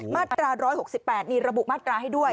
มาตรา๑๖๘นี่ระบุมาตราให้ด้วย